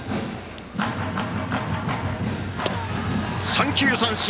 ３球三振。